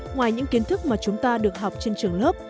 ngoài những kiến thức mà chúng ta được học trên trường lớp